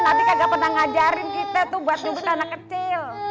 nanti kagak pernah ngajarin kita tuh buat nyubit anak kecil